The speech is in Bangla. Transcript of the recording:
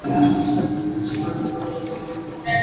এখন ঠিক শুনাইবে যেন অপরাধ ধরা পড়িয়া জবাবদিহির চেষ্টা হইতেছে।